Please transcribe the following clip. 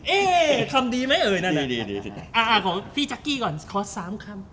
เอ๊คำดีไหมเอ๋นั่นขอพี่จักกี้ก่อนขอ๓คำ